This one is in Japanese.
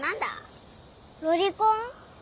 ロリコン？